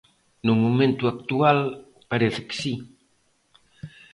_No momento actual parece que si.